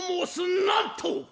「なんと！